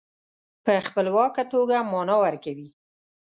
په خپلواکه توګه معنا ورکوي.